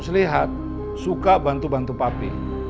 terus lihat suka bantu bantu papi